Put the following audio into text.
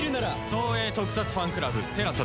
東映特撮ファンクラブＴＥＬＡＳＡで。